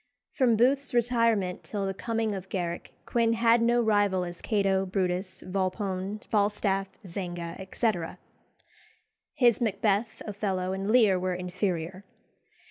From Booth's retirement till the coming of Garrick, Quin had no rival as Cato, Brutus, Volpone, Falstaff, Zanga, etc. His Macbeth, Othello, and Lear were inferior.